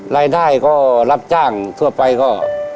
รายได้ก็รับจ้างทั่วไปก็